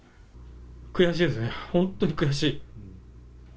悔しいですね、本当に悔しい。